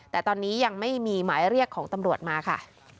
แต่ตอนนี้ยังไม่มีหมายเรียกของตำรวจมาค่ะ